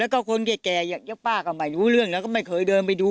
แล้วก็คนแก่ป้าก็ไม่รู้เรื่องแล้วก็ไม่เคยเดินไปดู